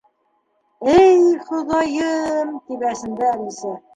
Әй хоҙайым! —тип әсенде Әлисә.